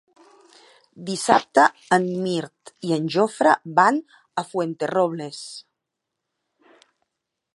Dissabte en Mirt i en Jofre van a Fuenterrobles.